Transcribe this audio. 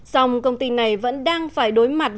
song công ty này vẫn đang phải đối mặt